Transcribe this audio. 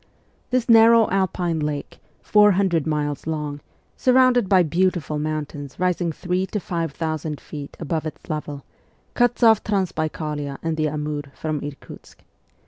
This narrow Alpine lake, four hundred miles long, surrounded by beautiful mountains rising three to five thousand feet above its level, cuts off Transbaikalia and the Amur from Irkutsk.